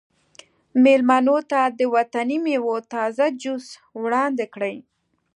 میلمنو ته د وطني میوو تازه جوس وړاندې کړئ